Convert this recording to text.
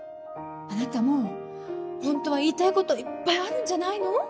あなたもホントは言いたいこといっぱいあるんじゃないの？